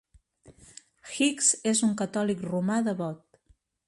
Hicks és un catòlic romà devot.